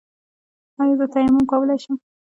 ایا زه تیمم کولی شم؟